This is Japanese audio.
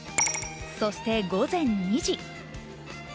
そして午前２時。